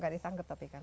tidak ditangkap tapi kan